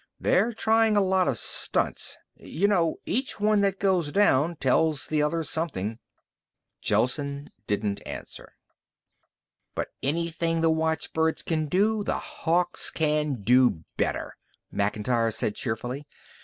They're trying a lot of stunts. You know, each one that goes down tells the others something." Gelsen didn't answer. "But anything the watchbirds can do, the Hawks can do better," Macintyre said cheerfully.